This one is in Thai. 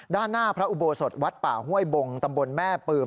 ด้านหน้าพระอุโบสถวัดป่าห้วยบงตำบลแม่ปืม